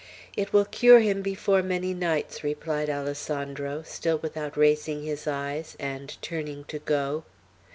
"It will cure him before many nights," replied Alessandro, still without raising his eyes, and turning to go.